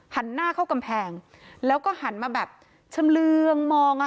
หันหน้าเข้ากำแพงแล้วก็หันมาแบบชำเรืองมองอ่ะ